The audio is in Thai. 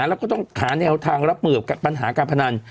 แล้วก็ต้องหาแนวทางรับมือกับปัญหาการพนัน